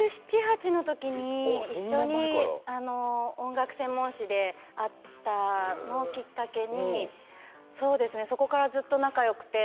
１７、１８のときに一緒に音楽専門誌で会ったのをきっかけにそこからずっと仲よくて。